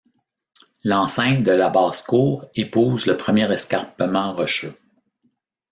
L'enceinte de la basse-cour épouse le premier escarpement rocheux.